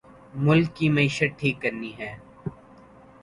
ملک کی معیشت ٹھیک کرنی ہے